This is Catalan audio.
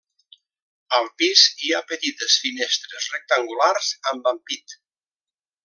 Al pis hi ha petites finestres rectangulars amb ampit.